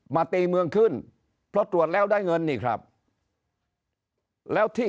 ตีเมืองขึ้นเพราะตรวจแล้วได้เงินนี่ครับแล้วที่